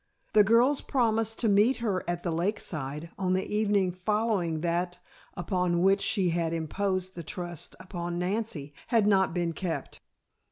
The girl's promise to meet her at the lakeside, on the evening following that upon which she had imposed the trust upon Nancy, had not been kept.